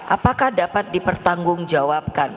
apakah dapat dipertanggung jawabkan